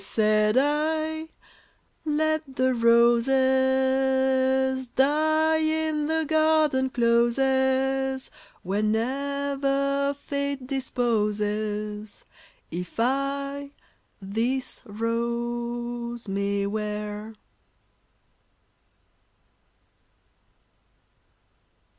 " said I, " let the roses Die in the garden closes Whenever fate disposes, If I ^Ms rose may wear